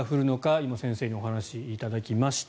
今、先生にお話しいただきました。